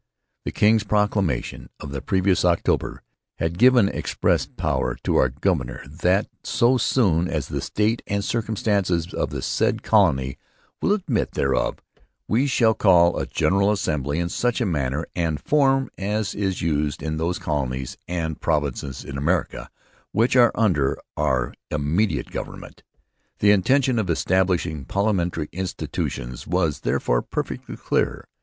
The king's proclamation of the previous October had 'given express Power to our Governor that, so soon as the state and circumstances of the said Colony will admit thereof, he shall call a General Assembly in such manner and form as is used in those Colonies and Provinces in America which are under our immediate government.' The intention of establishing parliamentary institutions was, therefore, perfectly clear.